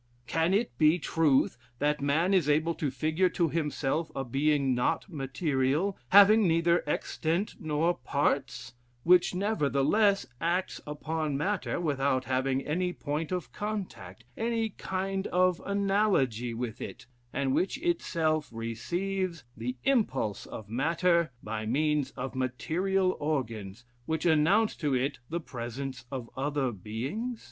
Can it be truth, that man is able to figure to himself a being not material, having neither extent nor parts; which, nevertheless, acts upon matter without having any point of contact, any kind of analogy with it; and which itself receives the impulse of matter by means of material organs, which announce to it the presence of other beings?